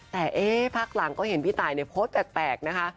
แต่พักหลังก็เห็นพี่ตายโพสต์แปลกนะคะ